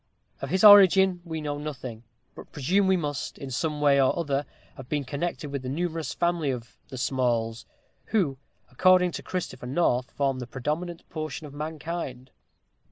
Of his origin we know nothing; but presume he must, in some way or other, have been connected with the numerous family of "the Smalls," who, according to Christopher North, form the predominant portion of mankind.